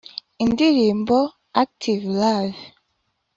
Indirimbo Active Love